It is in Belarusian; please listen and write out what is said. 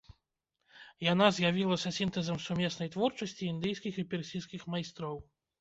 Яна з'явілася сінтэзам сумеснай творчасці індыйскіх і персідскіх майстроў.